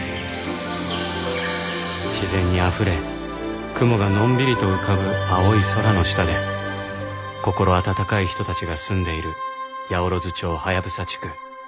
自然にあふれ雲がのんびりと浮かぶ青い空の下で心温かい人たちが住んでいる八百万町ハヤブサ地区